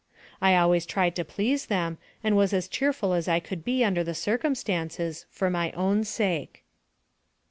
I always tried to please them, and was as cheerful as I could be under the circumstances, for my own sake.